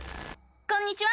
こんにちは！